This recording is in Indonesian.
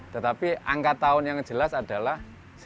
tetapi angka tahun yang jelas adalah seribu lima ratus empat puluh sembilan